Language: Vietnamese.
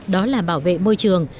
đó là bảo vệ môi trường